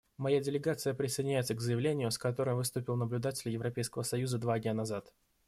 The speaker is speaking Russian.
Моя делегация присоединяется к заявлению, с которым выступил наблюдатель Европейского союза два дня назад.